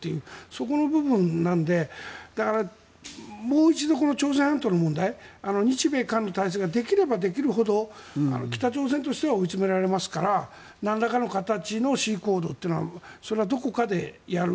そこの部分なのでだから、もう一度朝鮮半島の問題日米韓の体制ができればできるほど北朝鮮としては追い詰められますからなんらかの形の示威行動というのはそれはどこかでやる。